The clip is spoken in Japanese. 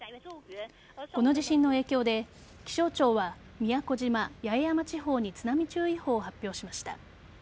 この地震の影響で気象庁は宮古島・八重山地方に津波注意報を発表しました。